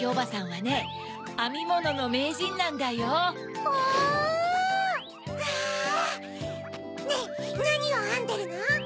ねぇなにをあんでるの？